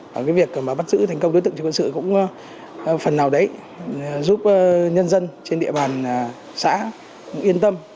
và cái việc mà bắt giữ thành công đối tượng trường quân sự cũng phần nào đấy giúp nhân dân trên địa bàn xã yên tâm